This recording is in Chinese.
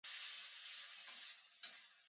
司机兼助理亦重伤。